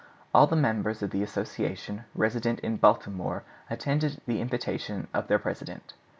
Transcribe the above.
All the members of the association resident in Baltimore attended the invitation of their president.